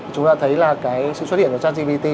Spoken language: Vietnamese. chúng ta thấy là cái sự xuất hiện của chat gpt